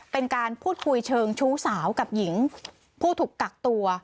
เป็นการพูดคุยเชิงชู้สาวกับหญิงผู้ถูกกักตัว